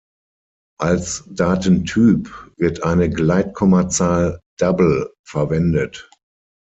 Als Datentyp wird eine Gleitkommazahl "double" verwendet.